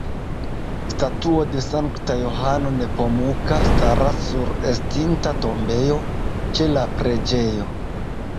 Statuo de Sankta Johano Nepomuka staras sur estinta tombejo ĉe la preĝejo.